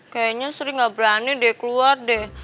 kayaknya sri gak berani deh keluar deh